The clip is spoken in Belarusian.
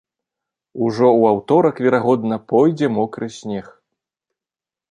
Ужо ў аўторак, верагодна, пойдзе мокры снег.